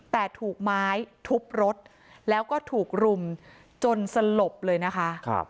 แต่ถูกไม้ทุบรถแล้วก็ถูกรุมจนสลบเลยนะคะ